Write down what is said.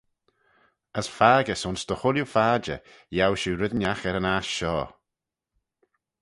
As faggys ayns dy chooilley phadjer, yiow shiu red ennagh er yn aght shoh.